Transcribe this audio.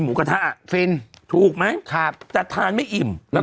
มันไม่ได้มีอะไรเลย